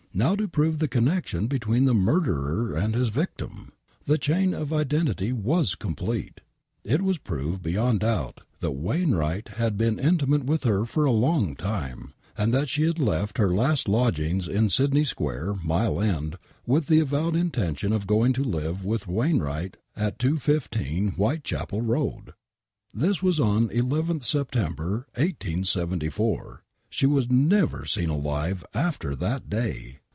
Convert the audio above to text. Now to prove the connection between the murderer and his victim !! The chain of identity was compleie !! It was proved beyond doubt that Wainwright had been inti mate with her for a long time, and that she left her last lodgings in Sydney Square, Mile End, with the avowed intention of going to live with " Wainwright at 215 Whitechapel Road." This was on 11th September, 1874 !*! She was never seen alive after that day